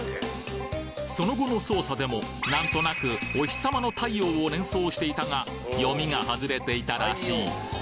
その後の捜査でも何となくおひさまの太陽を連想していたがヨミが外れていたらしい